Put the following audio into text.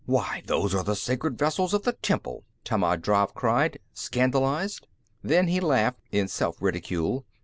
"Why, those are the sacred vessels of the temple!" Tammand Drav cried, scandalized. Then he laughed in self ridicule.